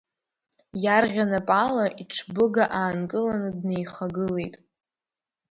Иарӷьа напала иҽбыга аанкыланы днеихагылеит.